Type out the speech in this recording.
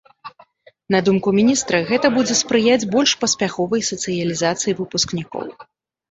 На думку міністра, гэта будзе спрыяць больш паспяховай сацыялізацыі выпускнікоў.